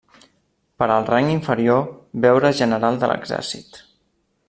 Per al rang inferior, veure General de l'Exèrcit.